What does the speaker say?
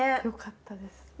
よかったです。